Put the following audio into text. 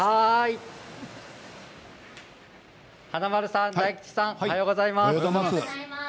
華丸さん大吉さんおはようございます。